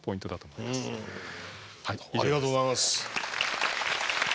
ありがとうございます。